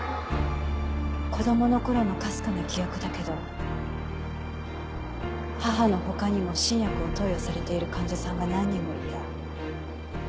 子供の頃のかすかな記憶だけど母の他にも新薬を投与されている患者さんが何人もいた。